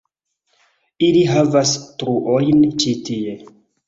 Ili havas truojn ĉi tie